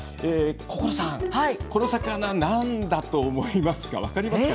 心さんこの魚、何だか分かりますか？